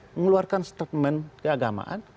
mengeluarkan statement keagamaan